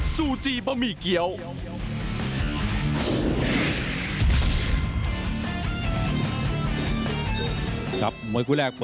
สวัสดีครับ